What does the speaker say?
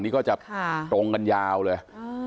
นี่ก็จะตรงกันยาวเลย